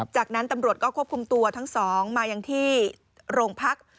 จากนั้นตำรวจก็ควบคุมตัวทั้งสองมายังที่โรงพัก